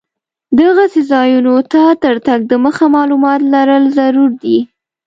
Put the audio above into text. دغسې ځایونو ته تر تګ دمخه معلومات لرل ضرور دي.